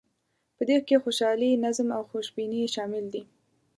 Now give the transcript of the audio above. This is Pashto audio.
په دې کې خوشحالي، نظم او خوشبیني شامل دي.